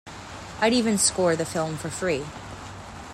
I'd even score the film for free.